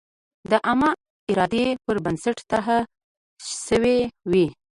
د عامه ارادې پر بنسټ طرحه شوې وي.